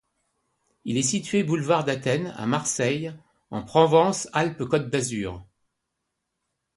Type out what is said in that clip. Il est situé boulevard d'Athènes, à Marseille, en Provence-Alpes-Côte d'Azur.